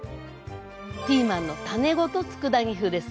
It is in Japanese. ピーマンの種ごとつくだ煮風です。